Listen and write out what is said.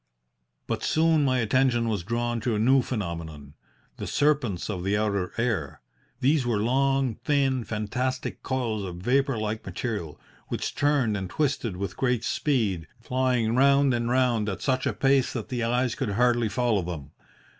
"But soon my attention was drawn to a new phenomenon the serpents of the outer air. These were long, thin, fantastic coils of vapour like material, which turned and twisted with great speed, flying round and round at such a pace that the eyes could hardly follow them.